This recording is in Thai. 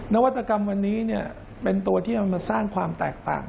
นวัตกรรมวันนี้เป็นตัวที่นำมาสร้างความแตกต่าง